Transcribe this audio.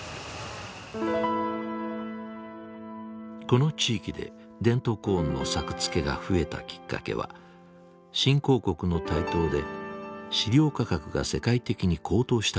この地域でデントコーンの作付けが増えたきっかけは新興国の台頭で飼料価格が世界的に高騰したことにある。